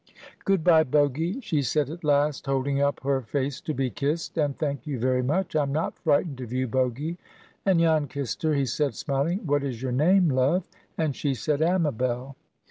"Good by, Bogy," she said, at last, holding up her face to be kissed. "And thank you very much. I'm not frightened of you, Bogy." As Jan kissed her, he said, smiling, "What is your name, love?" And she said, "Amabel."